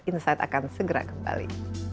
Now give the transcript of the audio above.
insight akan segera kembali